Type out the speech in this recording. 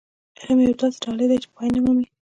علم يوه داسې ډالۍ ده چې پای نه مومي.